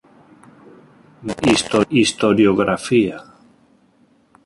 Ver Historiografía.